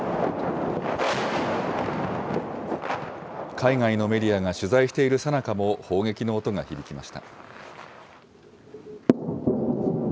海外のメディアが取材しているさなかも、砲撃の音が響きました。